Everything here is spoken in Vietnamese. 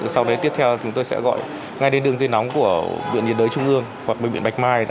sau vé tiếp theo chúng tôi sẽ gọi ngay đến đường dây nóng của bệnh nhiệt đới trung ương hoặc bệnh viện bạch mai